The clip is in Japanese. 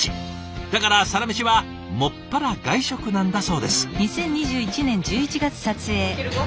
だからサラメシは専ら外食なんだそうです。